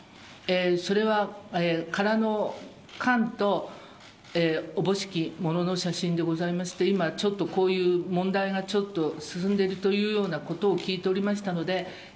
それは空の缶とおぼしきものの写真でございまして、今、ちょっとこういう問題が、ちょっと進んでいるというようなことを聞いておりましたので。